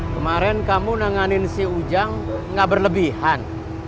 kemarin kamu nanganin si ujang nggak berlebihan